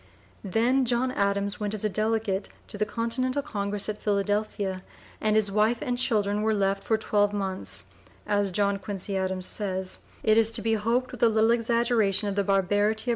Then John Adams went as a delegate to the Continental Congress at Philadelphia, and his wife and children were left for twelve months, as John Quincy Adams says, it is to be hoped with a little exaggeration of the barbarity of (p.